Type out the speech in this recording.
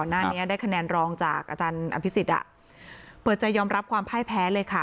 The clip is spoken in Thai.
หน้านี้ได้คะแนนรองจากอาจารย์อภิษฎอ่ะเปิดใจยอมรับความพ่ายแพ้เลยค่ะ